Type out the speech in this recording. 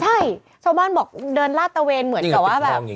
ใช่ชาวบ้านบอกเดินลาดตะเวนเหมือนกับว่าแบบ